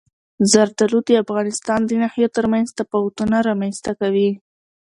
زردالو د افغانستان د ناحیو ترمنځ تفاوتونه رامنځته کوي.